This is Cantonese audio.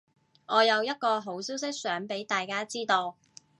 我有一個好消息想畀大家知道